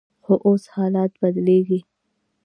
خو اوس حالات بدلیږي.